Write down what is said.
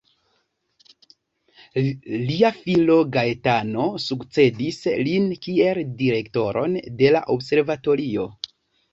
Lia filo, Gaetano, sukcedis lin kiel direktoron de la observatorio.